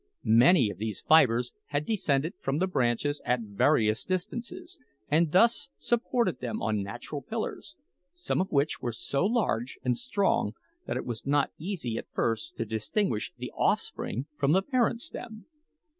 Many of these fibres had descended from the branches at various distances, and thus supported them on natural pillars, some of which were so large and strong that it was not easy at first to distinguish the offspring from the parent stem.